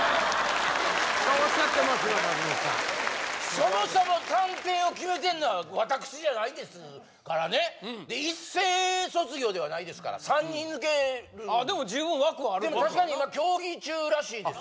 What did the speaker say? そもそも探偵を決めてんのは私じゃないですからね一斉卒業ではないですから３人抜けるんですでも十分枠はあるってことやなでも確かに今協議中らしいです